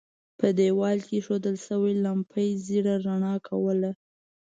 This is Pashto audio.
په دېوال کې اېښودل شوې لمپې ژېړه رڼا کوله.